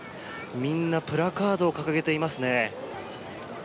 みんなプラカードを掲げていますね。